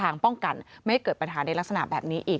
ป้องกันไม่ให้เกิดปัญหาในลักษณะแบบนี้อีก